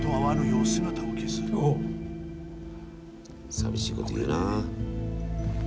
寂しいこと言うな。